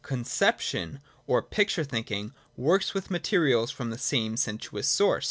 Conception or picture thinking works with materials from the same sensuous source.